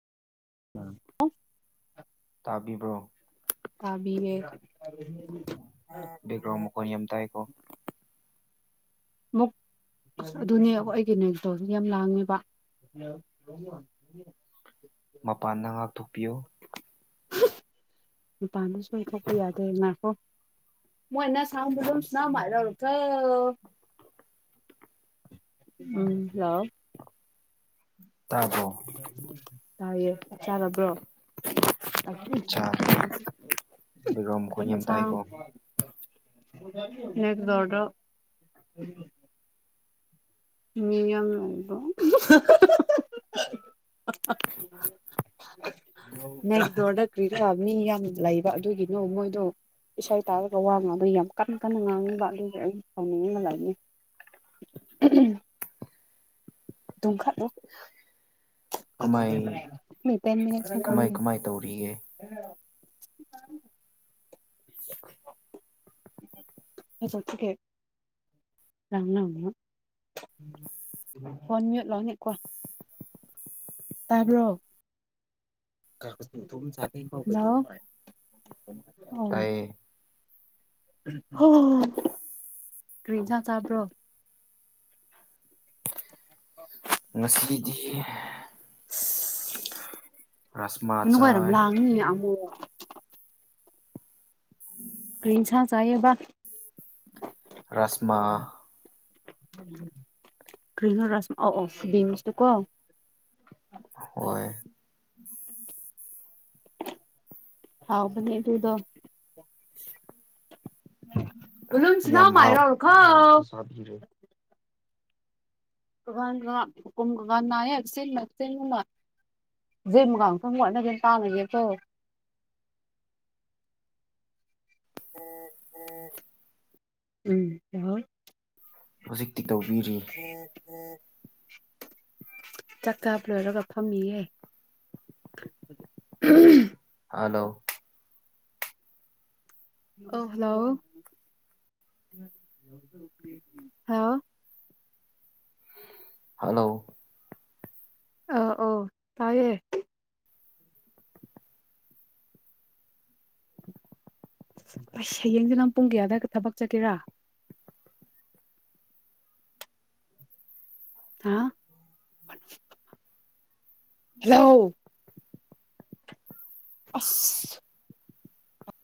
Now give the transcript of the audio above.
[unintelligible] ꯇꯥꯕꯤꯕ꯭ꯔꯣ ꯇꯥꯕꯤꯔ ꯕꯦꯛꯒ꯭ꯔꯥꯎꯟ ꯃꯈꯣꯟ ꯌꯥꯝ ꯇꯥꯏꯀꯣ ꯃꯨꯛ ꯑꯁ ꯑꯗꯨꯅꯦ ꯑꯩꯒꯤꯩꯅꯣꯒꯤꯇ ꯌꯥꯝ ꯂꯥꯡꯉꯦꯕ ꯃꯄꯥꯟꯗ ꯉꯥꯛꯊꯣꯛꯄꯤꯌꯨ ꯃꯄꯥꯟꯗ ꯁꯣꯏ ꯊꯣꯛꯣꯛꯄ ꯌꯥꯗꯦ ꯃꯥꯈꯣ ꯃꯣꯏ ꯏꯅꯥ ꯆꯥ ꯂꯂꯝ ꯁꯅ ꯃꯥꯏꯅ ꯑ ꯎꯝ ꯇꯥꯕ꯭ꯔꯣ ꯇꯥꯏꯌꯦꯦ ꯆꯞ ꯆꯥꯔꯕ꯭ꯔꯣ ꯁꯥ ꯕꯦꯛꯒ꯭ꯔꯥꯎꯟ ꯃꯈꯣꯟ ꯌꯥꯝ ꯀꯁ ꯇꯥꯏꯀꯣ ꯌꯦꯗꯧꯇꯣ ꯃꯤꯝꯕꯣ ꯃꯦꯒꯗꯣꯔꯗ ꯀ꯭ꯔꯤ ꯃꯤ ꯌꯥꯝ ꯂꯩꯕ ꯑꯗꯨꯒꯤꯅꯣ ꯃꯣꯏꯗꯣ ꯏꯁꯩ ꯇꯥꯔꯒ ꯋꯥ ꯉꯥꯡꯗ ꯌꯥꯝ ꯀꯟꯅ ꯀꯟꯅ ꯉꯥꯡꯅꯤꯡꯕ ꯑꯗꯨꯗꯤ ꯑꯩ ꯇꯥꯎꯅꯤꯡꯅꯤꯡꯅ ꯂꯩꯅꯤ ꯎꯝ ꯝꯈꯥꯗ ꯀꯃꯥꯏ ꯀꯃꯥꯏ ꯀꯃꯥꯏ ꯀ ꯇꯧꯔꯤꯒꯦ ꯍ ꯑ ꯆ ꯊꯀꯦ ꯔꯝꯅꯥ ꯐꯣꯟꯃꯤ ꯂꯅꯤꯀꯣ ꯇꯥꯕ꯭ꯔꯣ ꯀ ꯆ ꯇꯌꯦ ꯍ ꯀꯔꯤꯟꯁꯥ ꯆꯥꯕ꯭ꯔꯣ [unintelligible] ꯉꯁꯤꯗꯤ ꯔꯥꯁꯃꯥ ꯅꯨꯡꯉꯥꯏꯔꯝ ꯆꯥꯏ ꯂꯥꯡꯅꯤ ꯑꯃꯨꯛ ꯀ꯭ꯔꯤꯟꯁꯥ ꯆꯌꯦꯕ ꯔꯥꯁꯃ ꯀꯔꯤ ꯔꯥꯁ ꯑ ꯑꯣ ꯕꯤꯝꯁꯇꯨ ꯀꯣ ꯍꯣꯏ ꯍꯥꯎꯕꯅꯤ ꯇꯨꯗꯣ [unintelligible] ꯂꯨꯁ ꯅ ꯌꯥꯝ ꯍꯥꯎ ꯃꯥꯥꯏꯔꯣ ꯑꯣꯔ ꯍꯣꯏ ꯈ ꯌꯥꯝꯅꯁꯨ ꯆꯥꯕꯤꯔꯦ ꯅꯥꯁ ꯖꯒꯁꯨ ꯋꯥꯠꯅꯒꯅ ꯇꯥꯅꯒꯦ ꯇꯣ ꯑ ꯑ ꯎꯝ ꯌꯥꯣꯏ ꯍꯧꯖꯤꯛꯇꯤ ꯇꯧꯕꯤꯔꯤ ꯆꯥꯛꯀꯥꯞ ꯂꯣꯏꯔꯒ ꯐꯝꯃꯤꯌꯦꯦ ꯍꯥꯥꯂꯣ ꯑ ꯍꯜꯂꯣ ꯍꯦꯜꯂ ꯍꯜꯂꯣ ꯑ ꯑ ꯇꯥꯏꯌꯦ ꯑꯁ ꯍꯌꯦꯡꯁꯦ ꯅꯪ ꯄꯨꯡ ꯀꯌꯥꯗ ꯊꯕꯛ ꯆꯠꯀꯦꯔꯥ ꯍꯥ ꯍꯜꯂꯣ ꯑꯁ